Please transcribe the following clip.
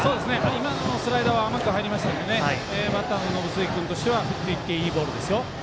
今のスライダーは甘く入りましたので延末君としては振っていっていいボールですよ。